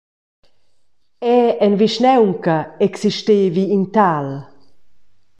Era en vischnaunca existevi in tal.